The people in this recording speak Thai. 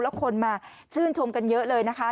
แล้วคนมาชื่นชมกันเยอะเลยนะคะ